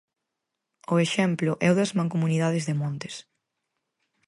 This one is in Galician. O exemplo é o das mancomunidades de montes.